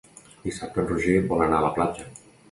Dissabte en Roger vol anar a la platja.